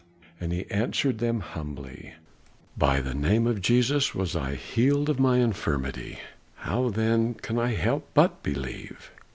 And he answered them humbly, "By the name of Jesus was I healed of mine infirmity, how then can I help but believe?"